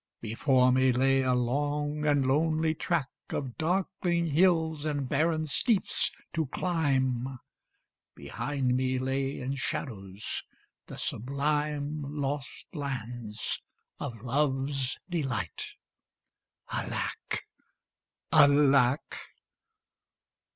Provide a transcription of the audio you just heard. Before me lay a long and lonely track Of darkling hills and barren steeps to climb; Behind me lay in shadows the sublime Lost lands of Love's delight. Alack! Alack!